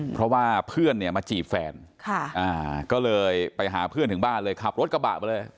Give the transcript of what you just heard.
เพราะว่าเพื่อนเนี่ยมาจีบแฟนก็เลยไปหาเพื่อนถึงบ้านเลยขับรถกระบะมาเลย